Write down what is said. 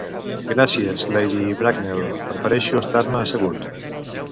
Gràcies, Lady Bracknell, prefereixo estar-me assegut.